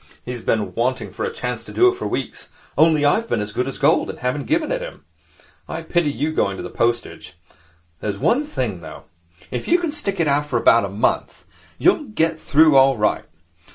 He's been waiting for a chance to do it for weeks, only I've been as good as gold and haven't given it him. I pity you going into the postage. There's one thing, though. If you can stick it for about a month, you'll get through all right.